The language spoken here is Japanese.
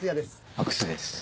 阿久津です。